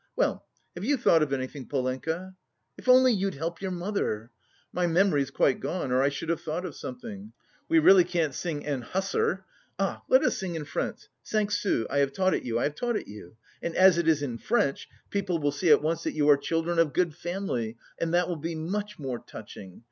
Well, have you thought of anything, Polenka? If only you'd help your mother! My memory's quite gone, or I should have thought of something. We really can't sing 'An Hussar.' Ah, let us sing in French, 'Cinq sous,' I have taught it you, I have taught it you. And as it is in French, people will see at once that you are children of good family, and that will be much more touching....